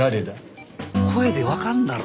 声でわかんだろ。